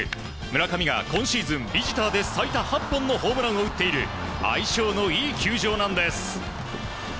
村上が今シーズンビジターで最多、８本のホームランを打っている相性のいい球場なんです。